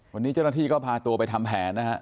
วันนี้เจ้าหน้าที่ก็พาตัวไปทำแผนนะฮะ